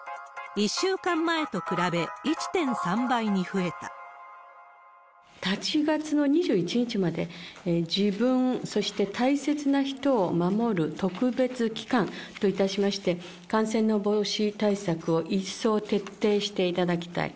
１週間前と比べ、１．３倍に増え８月の２１日まで、自分、そして大切な人を守る特別期間といたしまして、感染の防止対策を一層徹底していただきたい。